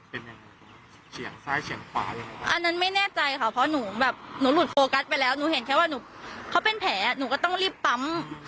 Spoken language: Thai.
เป็นยังไงเฉียงซ้ายเฉียงขวาเลยอันนั้นไม่แน่ใจค่ะเพราะหนูแบบหนูหลุดโฟกัสไปแล้วหนูเห็นแค่ว่าหนูเขาเป็นแผลหนูก็ต้องรีบปั๊ม